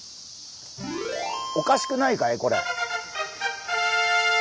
おかしくないかいこれ？